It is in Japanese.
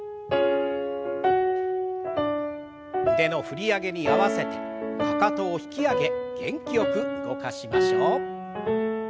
腕の振り上げに合わせてかかとを引き上げ元気よく動かしましょう。